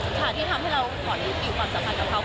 หรือชาที่ทำให้เราขออีกอยู่ความสำคัญกับเขา